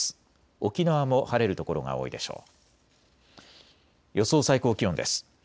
沖縄も晴れる所が多いでしょう。